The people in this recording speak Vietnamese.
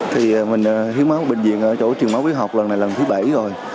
thì mình hiến máu ở bệnh viện ở chỗ trường máu viết học lần này là lần thứ bảy rồi